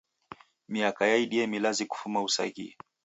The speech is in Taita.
Miaka yaidie milazi kufuma usaghie.